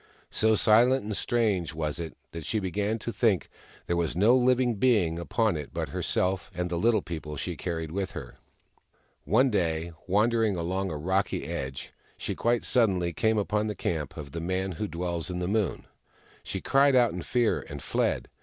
So silent and strange was it that she began to think there was no living being upon it but herself and the Little People she carried with her. One day, wandering along a rocky edge, she quite suddenly came upon the camp of the Man Who Dwells In The Moon. She cried out in fear, and fled.